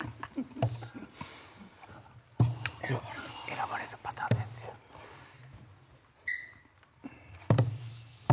選ばれるパターンですやん。